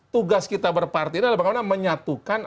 tugas kita berparti adalah bagaimana menyatukan